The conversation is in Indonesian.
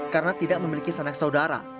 karena tidak memiliki sanak sosial